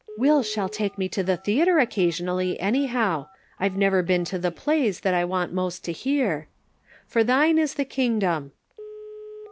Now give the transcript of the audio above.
Will shall take me to the theatre occasionally, anyhow ; I've never been to the plays that I want most to hear. 4 For thine is the kingdom.'